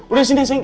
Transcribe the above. udah sini sing